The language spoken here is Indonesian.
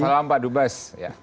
salam pak dubas